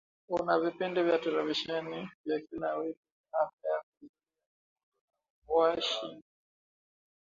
una vipindi vya televisheni vya kila wiki vya Afya Yako Zulia Jekundu na Washingotn